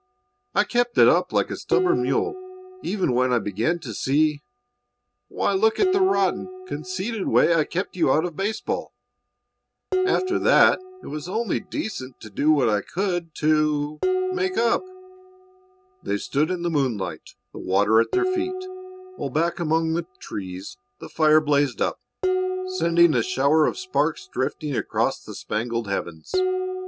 "I kept it up like a stubborn mule even when I began to see Why, look at the rotten, conceited way I kept you out of baseball. After that it was only decent to do what I could to make up." They stood in the moonlight, the water at their feet, while back among the trees the fire blazed up, sending a shower of sparks drifting across the spangled heavens.